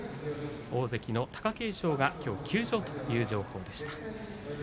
大関の貴景勝がきょう休場という情報でした。